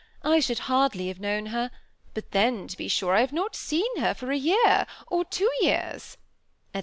I should hardly have known her ; but then, to be sure, I have not seen her for a year — or two years," &c.